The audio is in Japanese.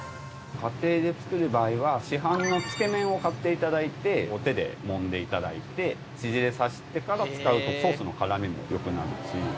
家庭で作る場合は市販のつけ麺を買っていただいて手でもんでいただいて縮れさせてから使うとソースの絡みも良くなるし。